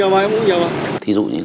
em múc nhiều mà em múc nhiều mà